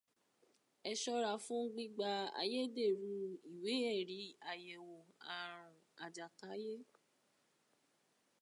Ẹ ṣọ́ra fún gbígba ayédèrú ìwé ẹ̀rí àyẹ̀wò ààrùn àjàkáyé.